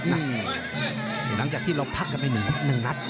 หลังจากที่เราพักกันไป๑พัก๑นัด